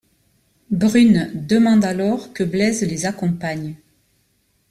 Bruhn demande alors que Blaise les accompagne.